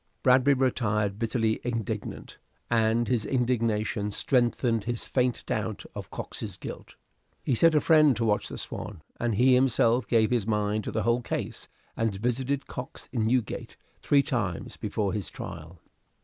Bradbury retired, bitterly indignant, and his indignation strengthened his faint doubt of Cox's guilt. He set a friend to watch the "Swan," and he himself gave his mind to the whole case, and visited Cox in Newgate three times before his trial.